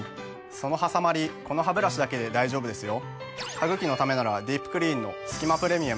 そのはさまりこのハブラシだけで大丈夫ですよ。